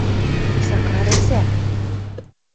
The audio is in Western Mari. — Сакар ӹзӓ!